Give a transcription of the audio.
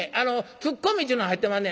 ツッコミっちゅうの入ってまんねん。